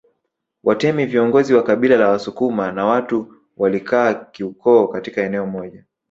Watemi viongozi wa kabila la Wasukuma na watu walikaa kiukoo katika eneo moja